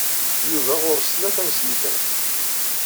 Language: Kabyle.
Yuba ɣur-s tlata n snitrat.